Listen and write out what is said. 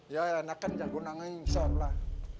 ya ini kan jagung angin sahab lah